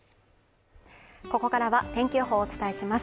ここからは天気予報をお伝えします